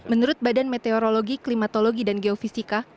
menurut badan meteorologi klimatologi dan geofisika